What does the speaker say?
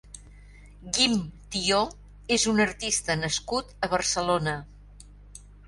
Guim Tió és un artista nascut a Barcelona.